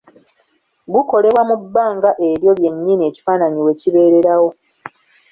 Gukolebwa mu bbanga eryo lyennyini ekifaananyi we kibeererawo.